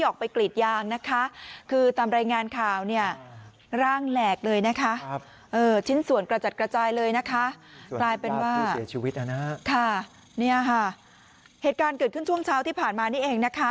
เกิดขึ้นช่วงเช้าที่ผ่านมานี่เอง